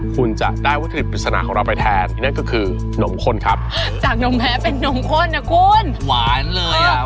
คุณจะได้วัตถุดิบปริศนาของเราไปแทนที่นั่นก็คือนมข้นครับจากนมแพ้เป็นนมข้นนะคุณหวานเลยอ่ะ